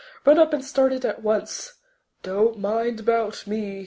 Run up and start it at once. Don't mind about me.